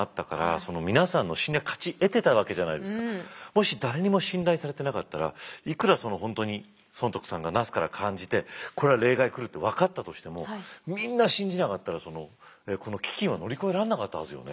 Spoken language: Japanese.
しかももし誰にも信頼されてなかったらいくら本当に尊徳さんがなすから感じてこれは冷害来るって分かったとしてもみんな信じなかったらこの飢きんは乗り越えられなかったはずよね。